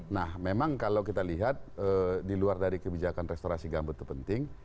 nah memang kalau kita lihat di luar dari kebijakan restorasi gambut itu penting